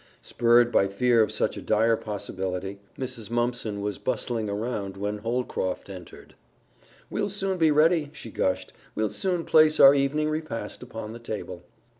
Spurred by fear of such a dire possibility, Mrs. Mumpson was bustling around when Holcroft entered. "We'll soon be ready," she gushed, "we'll soon place our evening repast upon the table."